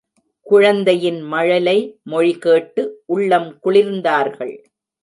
குழந்தையின் மழலை மொழிகேட்டு உள்ளம் குளிர்ந்தார்கள்.